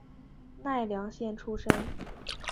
奈良县出身。